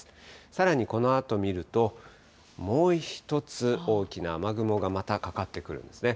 さらにこのあと見ると、もう１つ、大きな雨雲がまたかかってくるんですね。